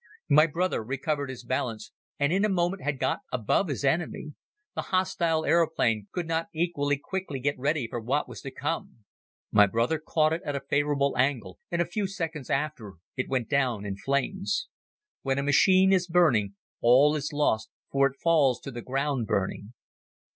My brother recovered his balance and in a moment had got above his enemy. The hostile aeroplane could not equally quickly get ready for what was to come. My brother caught it at a favorable angle and a few seconds after it went down in flames. When a machine is burning all is lost for it falls to the ground burning.